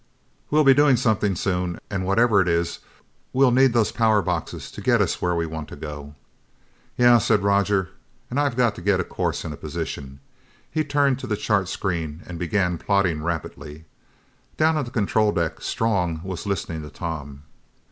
We'll be doing something soon, and whatever it is, we'll need those power boxes to get us where we want to go." "Yeah," said Roger, "and I've got to get a course and a position." He turned to the chart screen and began plotting rapidly. Down on the control deck, Strong was listening to Tom.